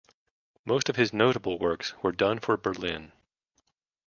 Most of his notable works were done for Berlin.